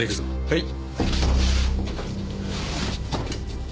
はい。